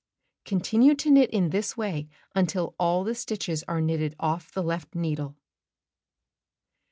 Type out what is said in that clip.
Continue to knit in this way until all the stitches are knitted off the left needle.